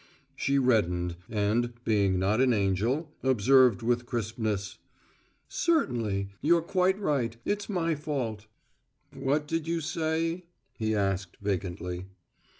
She reddened, and, being not an angel, observed with crispness: "Certainly. You're quite right: it's my fault!" "What did you say?" he asked vacantly.